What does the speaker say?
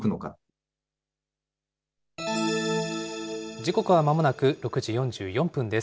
時刻はまもなく６時４４分です。